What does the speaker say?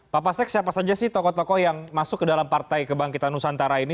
pak pasek siapa saja sih tokoh tokoh yang masuk ke dalam partai kebangkitan nusantara ini